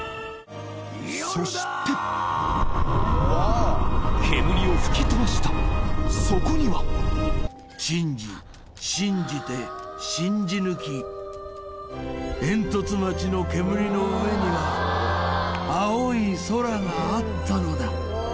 そして煙を吹き飛ばしたそこには信じ信じて信じぬきえんとつ町の煙の上には青い空があったのだ